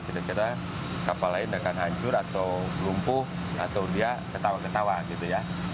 kira kira kapal lain akan hancur atau lumpuh atau dia ketawa ketawa gitu ya